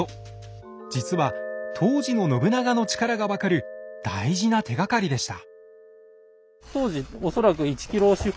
実は当時の信長の力が分かる大事な手がかりでした。